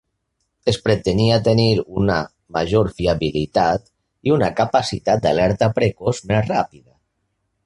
Es pretenia tenir una major fiabilitat i una capacitat d'alerta precoç més ràpida.